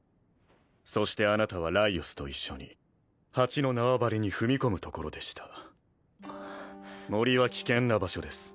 そしてあなたはライオスと一緒にハチの縄張りに踏み込むところでした森は危険な場所です